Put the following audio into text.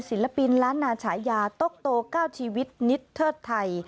ศิลปินล้านนาฉายาตกโต๙ชีวิตนิดเทิดไทย